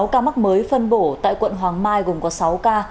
hai mươi sáu ca mắc mới phân bổ tại quận hoàng mai gồm có sáu ca